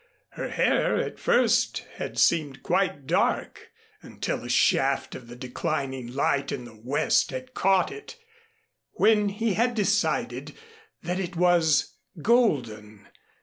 Her hair at first had seemed quite dark until a shaft of the declining light in the west had caught it, when he had decided that it was golden.